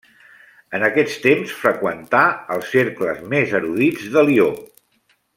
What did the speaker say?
En aquest temps freqüentà els cercles més erudits de Lió.